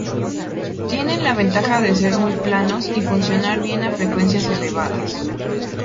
Tienen la ventaja de ser muy planos y funcionar bien a frecuencias elevadas.